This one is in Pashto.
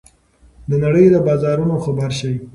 د نړۍ له بازارونو خبر شئ.